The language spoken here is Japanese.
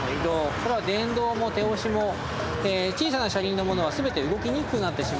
これは電動も手押しも小さな車輪のものは全て動きにくくなってしまうことがあります。